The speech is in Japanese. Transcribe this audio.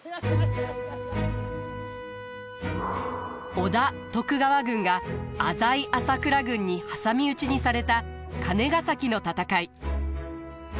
織田徳川軍が浅井朝倉軍に挟み撃ちにされた金ヶ崎の戦い。